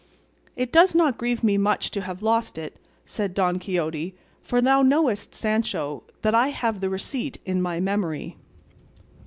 "It does not grieve me much to have lost it," said Don Quixote, "for thou knowest, Sancho, that I have the receipt in my memory."